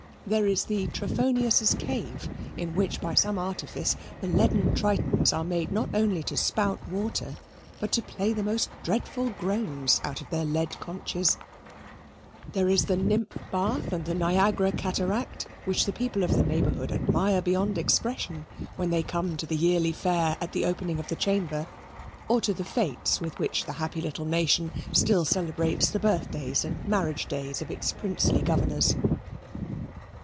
There is the Trophonius' cave in which, by some artifice, the leaden Tritons are made not only to spout water, but to play the most dreadful groans out of their lead conchs there is the nymphbath and the Niagara cataract, which the people of the neighbourhood admire beyond expression, when they come to the yearly fair at the opening of the Chamber, or to the fetes with which the happy little nation still celebrates the birthdays and marriage days of its princely governors.